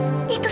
itu saya dokter